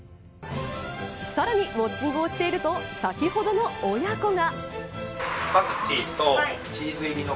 さらにウオッチングをしていると先ほどの親子が。